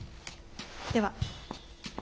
では。